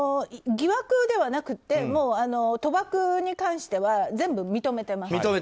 疑惑ではなくてもう、賭博に関しては全部認めています。